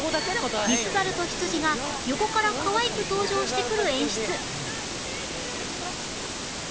リスザルとヒツジが横からかわいく登場してくる演出